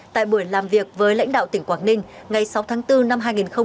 tại buổi làm việc với lãnh đạo tỉnh quảng ninh ngày sáu tháng bốn năm hai nghìn hai mươi